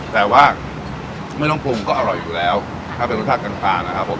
แต่ว่าไม่ต้องปรุงก็อร่อยอยู่แล้วถ้าเป็นรสชาติกังคานะครับผม